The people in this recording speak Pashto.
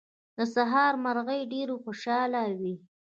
د سهار مرغۍ ډېرې خوشاله وې.